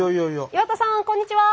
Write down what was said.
岩田さんこんにちは。